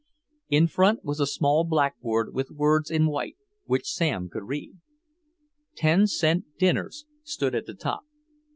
In front was a small blackboard with words in white which Sam could read. "Ten Cent Dinners" stood at the top.